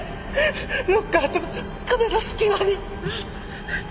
ロッカーと壁の隙間に。